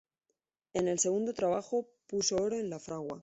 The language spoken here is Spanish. En el segundo trabajo, puso oro en la fragua.